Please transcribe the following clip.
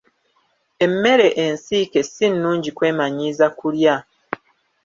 Emmere ensiike si nnungi kwemanyiiza kulya.